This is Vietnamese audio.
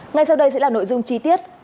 ngay sau đây sẽ là nội dung chi tiết